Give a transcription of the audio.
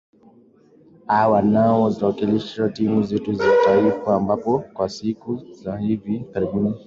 aa wanao ziwakilisha timu zetu za taifa ambapo kwa siku za hivi karibuni victor